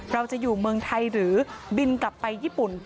เราจะอยู่เมืองไทยหรือบินกลับไปญี่ปุ่น